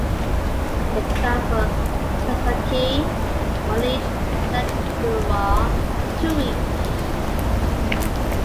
Example: "sansakey", one each; "sanderua", two each.